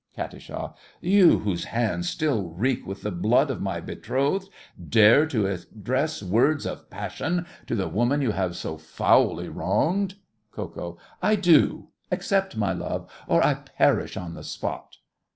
KAT. You, whose hands still reek with the blood of my betrothed, dare to address words of passion to the woman you have so foully wronged! KO. I do—accept my love, or I perish on the spot!